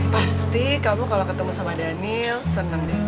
pasti kamu kalo ketemu sama daniel seneng deh